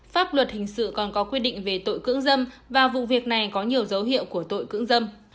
pháp luật hình sự còn có quy định về tội cưỡng dâm và vụ việc này có nhiều dấu hiệu của tội cưỡng dâm